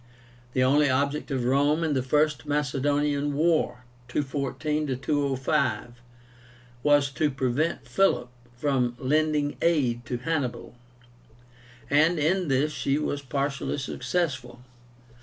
The only object of Rome in the First Macedonian War (214 205) was to prevent Philip from lending aid to Hannibal; and in this she was partially successful.